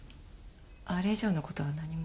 あれ以上の事は何も。